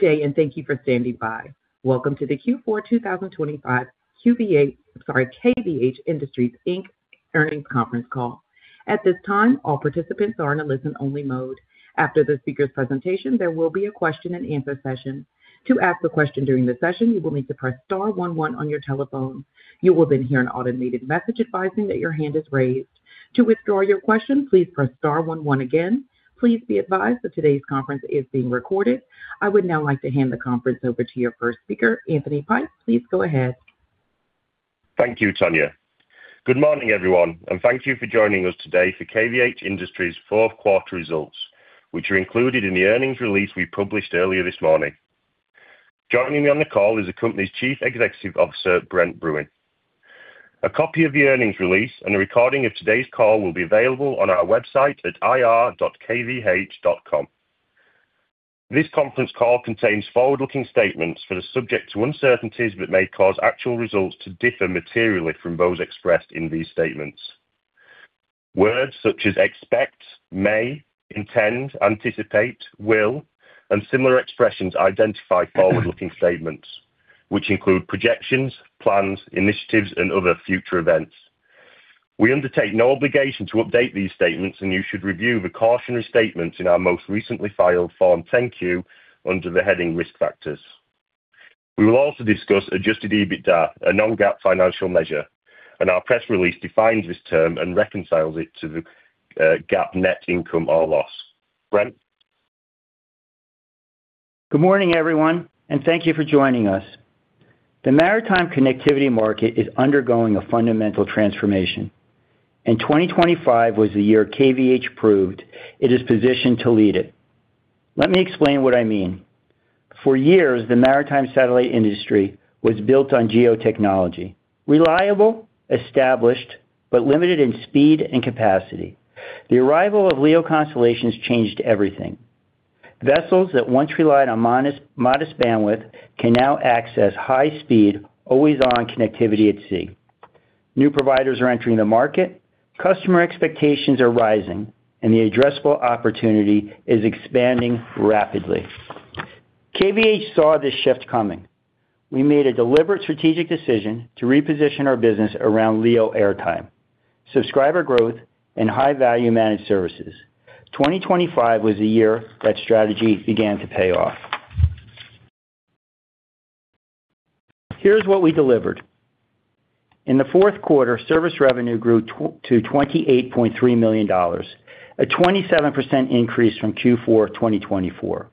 Good day, and thank you for standing by. Welcome to the Q4 2025 KVH, sorry, KVH Industries, Inc. Earnings Conference Call. At this time, all participants are in a listen-only mode. After the speaker presentation, there will be a question-and-answer session. To ask a question during the session, you will need to press star one one on your telephone. You will then hear an automated message advising that your hand is raised. To withdraw your question, please press star one one again. Please be advised that today's conference is being recorded. I would now like to hand the conference over to your first speaker, Anthony Pike. Please go ahead. Thank you, Tanya. Good morning, everyone, and thank you for joining us today for KVH Industries Fourth Quarter Results, which are included in the earnings release we published earlier this morning. Joining me on the call is the company's Chief Executive Officer, Brent Bruun. A copy of the earnings release and a recording of today's call will be available on our website at ir.kvh.com. This conference call contains forward-looking statements that are subject to uncertainties that may cause actual results to differ materially from those expressed in these statements. Words such as expect, may, intend, anticipate, will, and similar expressions identify forward-looking statements, which include projections, plans, initiatives, and other future events. We undertake no obligation to update these statements, and you should review the cautionary statements in our most recently filed Form 10-Q under the heading Risk Factors. We will also discuss adjusted EBITDA, a non-GAAP financial measure, and our press release defines this term and reconciles it to the GAAP net income or loss. Brent? Good morning, everyone, and thank you for joining us. The maritime connectivity market is undergoing a fundamental transformation, and 2025 was the year KVH proved it is positioned to lead it. Let me explain what I mean. For years, the maritime satellite industry was built on GEO technology, reliable, established, but limited in speed and capacity. The arrival of LEO constellations changed everything. Vessels that once relied on modest bandwidth can now access high speed, always-on connectivity at sea. New providers are entering the market, customer expectations are rising, and the addressable opportunity is expanding rapidly. KVH saw this shift coming. We made a deliberate strategic decision to reposition our business around LEO airtime, subscriber growth, and high-value managed services. 2025 was the year that strategy began to pay off. Here's what we delivered. In the fourth quarter, service revenue grew to $28.3 million, a 27% increase from Q4 of 2024.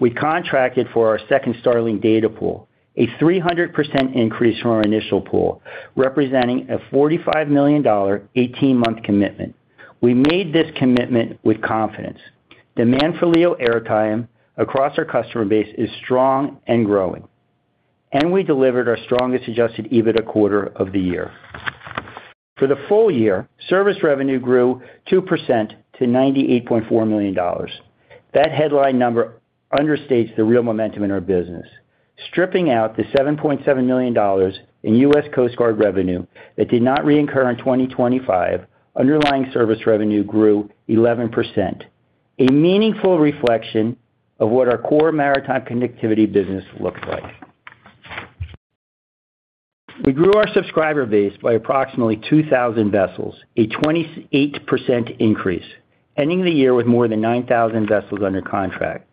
We contracted for our second Starlink data pool, a 300% increase from our initial pool, representing a $45 million 18-month commitment. We made this commitment with confidence. Demand for LEO airtime across our customer base is strong and growing. We delivered our strongest adjusted EBITDA quarter of the year. For the full year, service revenue grew 2% to $98.4 million. That headline number understates the real momentum in our business. Stripping out the $7.7 million in U.S. Coast Guard revenue that did not reoccur in 2025, underlying service revenue grew 11%, a meaningful reflection of what our core maritime connectivity business looks like. We grew our subscriber base by approximately 2,000 vessels, a 28% increase, ending the year with more than 9,000 vessels under contract.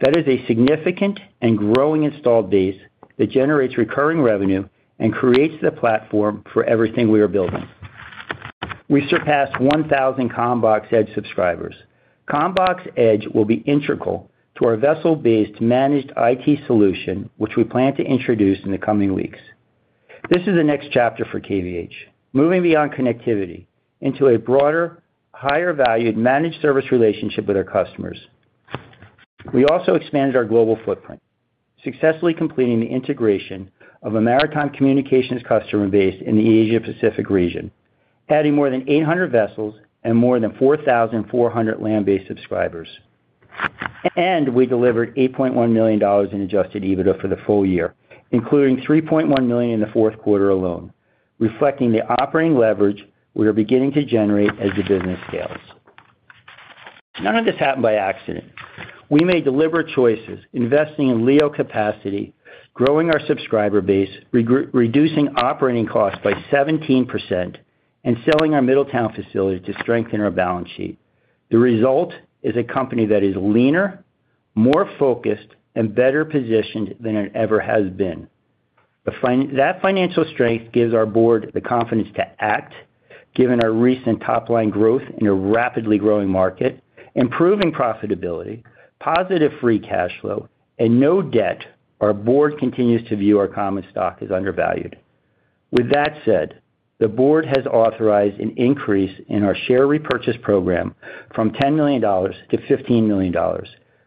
That is a significant and growing installed base that generates recurring revenue and creates the platform for everything we are building. We surpassed 1,000 CommBox Edge subscribers. CommBox Edge will be integral to our vessel-based managed IT solution, which we plan to introduce in the coming weeks. This is the next chapter for KVH, moving beyond connectivity into a broader, higher valued managed service relationship with our customers. We also expanded our global footprint, successfully completing the integration of a maritime communications customer base in the Asia Pacific region, adding more than 800 vessels and more than 4,400 land-based subscribers. We delivered $8.1 million in adjusted EBITDA for the full year, including $3.1 million in the fourth quarter alone, reflecting the operating leverage we are beginning to generate as the business scales. None of this happened by accident. We made deliberate choices, investing in LEO capacity, growing our subscriber base, reducing operating costs by 17%, and selling our Middletown facility to strengthen our balance sheet. The result is a company that is leaner, more focused, and better positioned than it ever has been. That financial strength gives our board the confidence to act, given our recent top-line growth in a rapidly growing market, improving profitability, positive free cash flow, and no debt, our board continues to view our common stock as undervalued. With that said, the board has authorized an increase in our share repurchase program from $10 million-$15 million,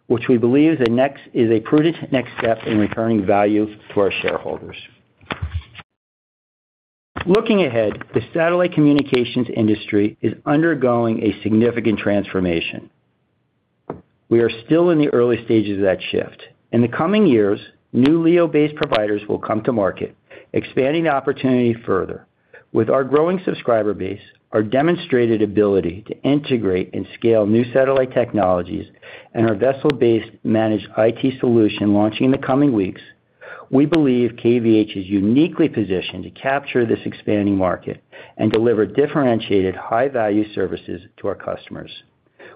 which we believe is a prudent next step in returning value to our shareholders. Looking ahead, the satellite communications industry is undergoing a significant transformation. We are still in the early stages of that shift. In the coming years, new LEO-based providers will come to market, expanding the opportunity further. With our growing subscriber base, our demonstrated ability to integrate and scale new satellite technologies, and our vessel-based managed IT solution launching in the coming weeks, we believe KVH is uniquely positioned to capture this expanding market and deliver differentiated high-value services to our customers.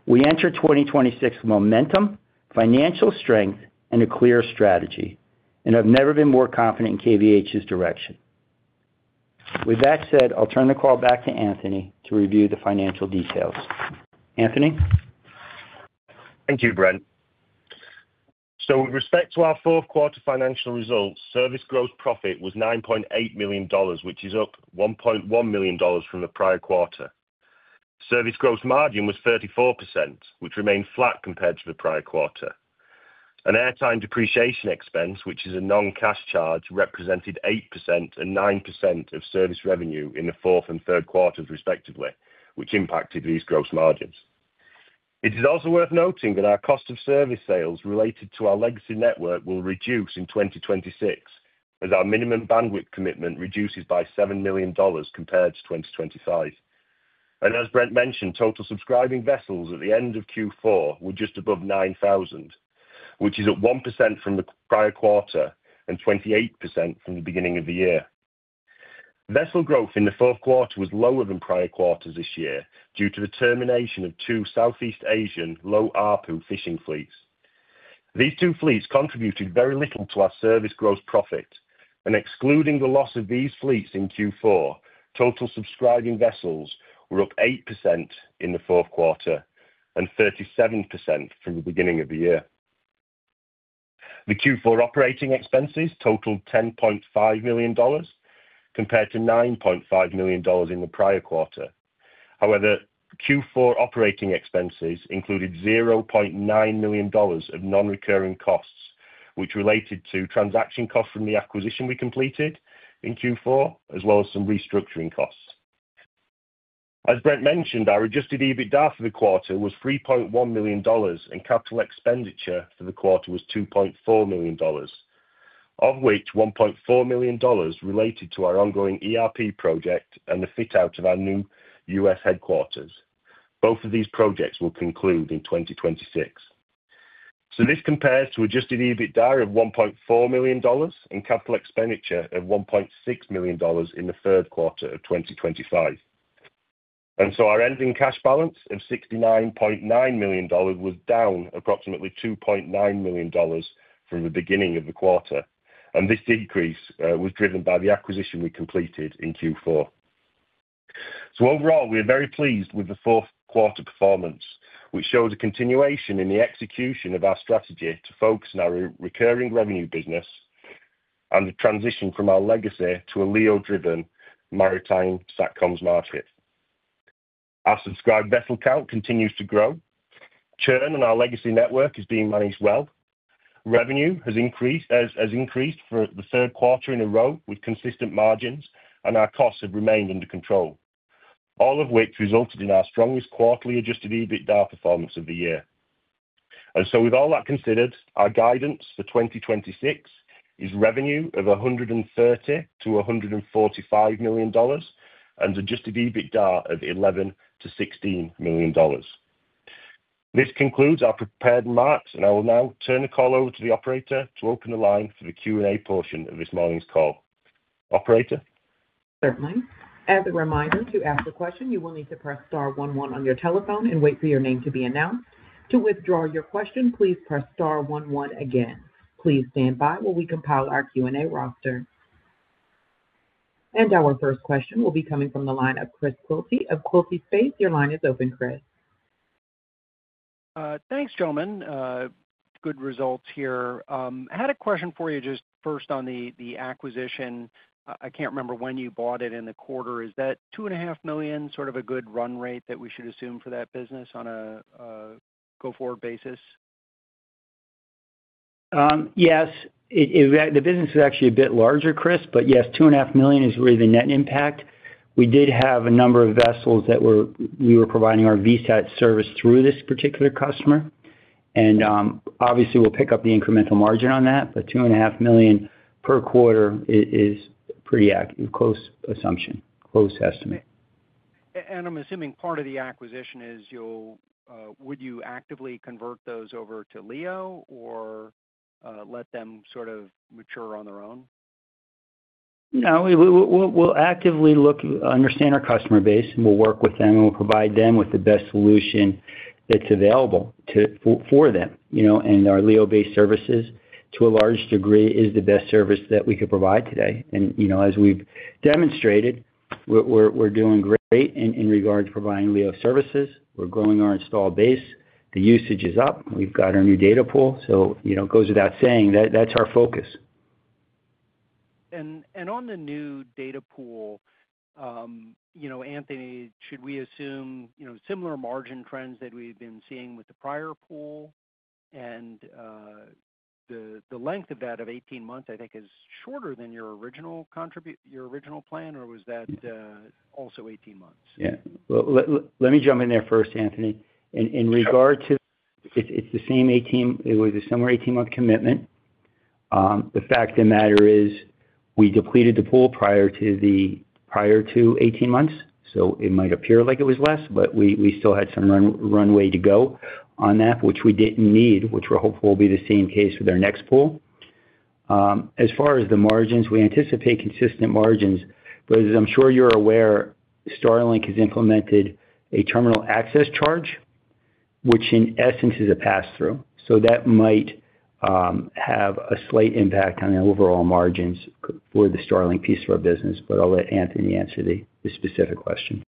We enter 2026 with momentum, financial strength, and a clear strategy, and I've never been more confident in KVH's direction. With that said, I'll turn the call back to Anthony to review the financial details. Anthony. Thank you, Brent. With respect to our fourth quarter financial results, service gross profit was $9.8 million, which is up $1.1 million from the prior quarter. Service gross margin was 34%, which remained flat compared to the prior quarter. Airtime depreciation expense, which is a non-cash charge, represented 8% and 9% of service revenue in the fourth and third quarters, respectively, which impacted these gross margins. It is also worth noting that our cost of service sales related to our legacy network will reduce in 2026, as our minimum bandwidth commitment reduces by $7 million compared to 2025. As Brent mentioned, total subscribing vessels at the end of Q4 were just above 9,000, which is up 1% from the prior quarter and 28% from the beginning of the year. Vessel growth in the fourth quarter was lower than prior quarters this year due to the termination of two Southeast Asian low ARPU fishing fleets. These two fleets contributed very little to our service gross profit, and excluding the loss of these fleets in Q4, total subscribing vessels were up 8% in the fourth quarter and 37% from the beginning of the year. The Q4 operating expenses totaled $10.5 million compared to $9.5 million in the prior quarter. However, Q4 operating expenses included $0.9 million of non-recurring costs, which related to transaction costs from the acquisition we completed in Q4, as well as some restructuring costs. As Brent mentioned, our adjusted EBITDA for the quarter was $3.1 million, and capital expenditure for the quarter was $2.4 million, of which $1.4 million related to our ongoing ERP project and the fit out of our new U.S. headquarters. Both of these projects will conclude in 2026. This compares to adjusted EBITDA of $1.4 million and capital expenditure of $1.6 million in the third quarter of 2025. Our ending cash balance of $69.9 million was down approximately $2.9 million from the beginning of the quarter. This decrease was driven by the acquisition we completed in Q4. Overall, we are very pleased with the fourth quarter performance, which shows a continuation in the execution of our strategy to focus on our recurring revenue business and the transition from our legacy to a LEO-driven maritime SatComs market. Our subscribed vessel count continues to grow. Churn in our legacy network is being managed well. Revenue has increased for the third quarter in a row with consistent margins, and our costs have remained under control, all of which resulted in our strongest quarterly adjusted EBITDA performance of the year. With all that considered, our guidance for 2026 is revenue of $100-$145 million and adjusted EBITDA of $11-$16 million. This concludes our prepared remarks, and I will now turn the call over to the operator to open the line for the Q&A portion of this morning's call. Operator? Certainly. As a reminder, to ask a question, you will need to press star one one on your telephone and wait for your name to be announced. To withdraw your question, please press star one one again. Please stand by while we compile our Q&A roster. Our first question will be coming from the line of Chris Quilty of Quilty Space. Your line is open, Chris. Thanks, gentlemen. Good results here. I had a question for you just first on the acquisition. I can't remember when you bought it in the quarter. Is that $2.5 million sort of a good run rate that we should assume for that business on a go-forward basis? Yes. The business is actually a bit larger, Chris, but yes, $2.5 million is really the net impact. We did have a number of vessels we were providing our VSAT service through this particular customer, and, obviously, we'll pick up the incremental margin on that. $2.5 million per quarter is pretty close assumption, close estimate. I'm assuming part of the acquisition is, would you actively convert those over to LEO or let them sort of mature on their own? No, we'll actively look to understand our customer base, and we'll work with them, and we'll provide them with the best solution that's available for them. You know, our LEO-based services, to a large degree, is the best service that we could provide today. You know, as we've demonstrated, we're doing great in regards to providing LEO services. We're growing our install base. The usage is up. We've got our new data pool. You know, it goes without saying that that's our focus. On the new data pool, you know, Anthony, should we assume, you know, similar margin trends that we've been seeing with the prior pool? The length of that of 18 months, I think is shorter than your original plan, or was that also 18 months? Yeah. Well, let me jump in there first, Anthony. In regard to, it was a similar 18-month commitment. The fact of the matter is we depleted the pool prior to 18 months, so it might appear like it was less, but we still had some runway to go on that, which we didn't need, which we're hopeful will be the same case with our next pool. As far as the margins, we anticipate consistent margins. As I'm sure you're aware, Starlink has implemented a terminal access charge, which in essence is a pass-through. That might have a slight impact on the overall margins for the Starlink piece of our business. I'll let Anthony answer the specific question.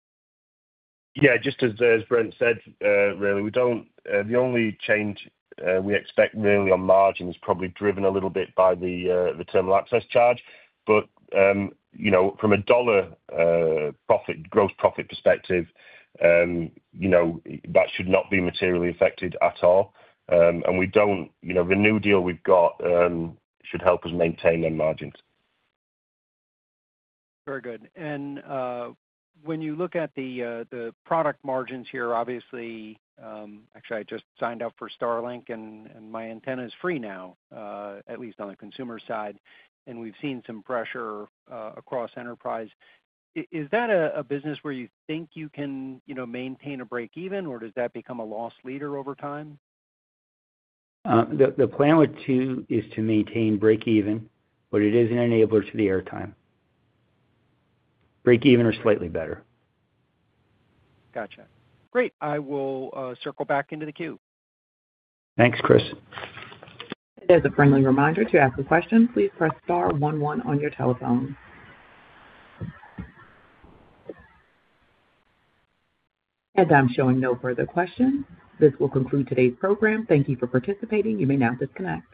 Yeah, just as Brent said, the only change we expect really on margin is probably driven a little bit by the terminal access charge. You know, from a dollar profit, gross profit perspective, you know, that should not be materially affected at all. The new deal we've got should help us maintain them margins. Very good. When you look at the product margins here, obviously. Actually, I just signed up for Starlink and my antenna is free now, at least on the consumer side, and we've seen some pressure across enterprise. Is that a business where you think you can, you know, maintain a break even, or does that become a loss leader over time? The plan with 2 is to maintain break even, but it is an enabler to the airtime. Break even or slightly better. Gotcha. Great. I will circle back into the queue. Thanks, Chris. As a friendly reminder, to ask a question, please press star one one on your telephone. As I'm showing no further questions, this will conclude today's program. Thank you for participating. You may now disconnect.